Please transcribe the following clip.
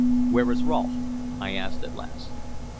"Where is Rolfe?" I asked at last.